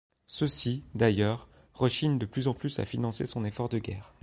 Ceux-ci, d'ailleurs, rechignent de plus en plus à financer son effort de guerre.